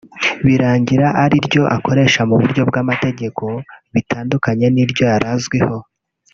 birangira ari ryo akoresha mu buryo bw’amategeko bitandukanye n’iryo yari azwiho